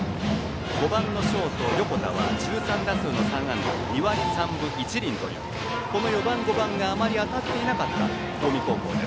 ５番のショート、横田は１３打数の３安打２割３分１厘というこの４番、５番があまり当たっていなかった近江高校。